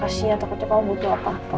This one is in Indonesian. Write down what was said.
kasihan takutnya kamu butuh apa apa